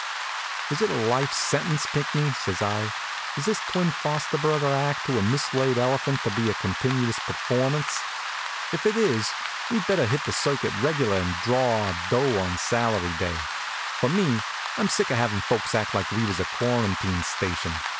"Is it a life sentence, Pinckney?" says I. "Is this twin foster brother act to a mislaid elephant to be a continuous performance? If it is we'd better hit the circuit regular and draw our dough on salary day. For me, I'm sick of havin' folks act like we was a quarantine station.